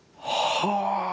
はあ。